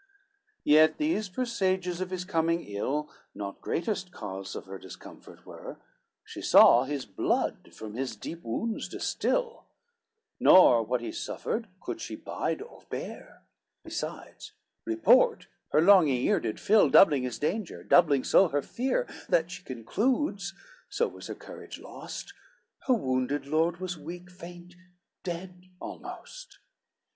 LXVI Yet these presages of his coming ill, Not greatest cause of her discomfort were, She saw his blood from his deep wounds distil, Nor what he suffered could she bide or bear: Besides, report her longing ear did fill, Doubling his danger, doubling so her fear, That she concludes, so was her courage lost, Her wounded lord was weak, faint, dead almost.